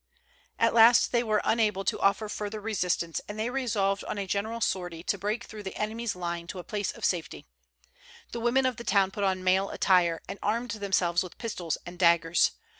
At last they were unable to offer further resistance, and they resolved on a general sortie to break through the enemy's line to a place of safety. The women of the town put on male attire, and armed themselves with pistols and daggers.